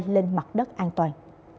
lên mặt đất an toàn